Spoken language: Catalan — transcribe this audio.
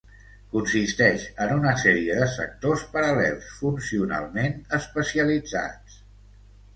Consisteix en una sèrie de sectors paral·lels funcionalment especialitzats.